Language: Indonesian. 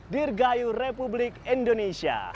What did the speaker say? dirgayu republik indonesia